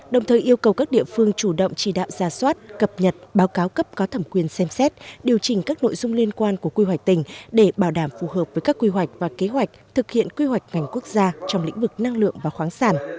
đồng thời yêu cầu các địa phương chủ động chỉ đạo ra soát cập nhật báo cáo cấp có thẩm quyền xem xét điều chỉnh các nội dung liên quan của quy hoạch tỉnh để bảo đảm phù hợp với các quy hoạch và kế hoạch thực hiện quy hoạch ngành quốc gia trong lĩnh vực năng lượng và khoáng sản